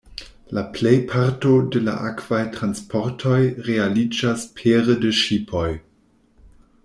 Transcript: La plej parto de la akvaj transportoj realiĝas pere de ŝipoj.